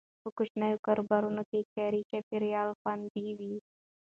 په کوچنیو کاروبارونو کې کاري چاپیریال خوندي وي.